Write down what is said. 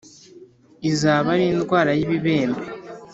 Izaba ari indwara y ibibembe